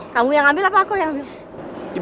kamu yang ambil aku yang ambil